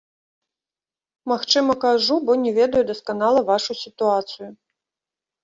Магчыма, кажу, бо не ведаю дасканала вашую сітуацыю.